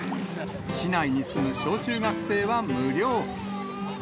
市内に住む小中学生は無料。